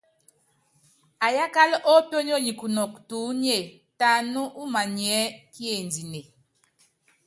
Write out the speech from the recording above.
Ayábál ópíónyonyi kunɔk tuúnye tɛ aná umanyɛ́ kiendine.